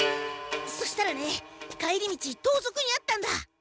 そしたらね帰り道とうぞくにあったんだ！